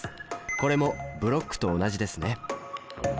これもブロックと同じですね。